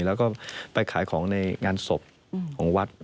แล้วก็ไปขายของในงานศพของวัด